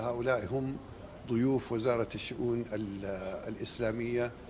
haulaihum duyuf wazarat syi'un al islamiyah